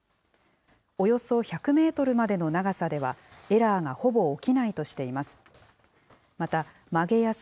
およそ１００メートルまでの長さでは、エラーがほぼ起きないとしています。